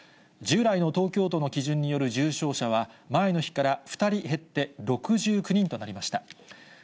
従来の東京都の基準による重症者は、前の日から２人減って６９人となりました。